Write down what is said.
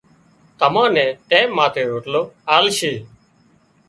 تمان نين ٽيم ماٿي روٽلو آلشي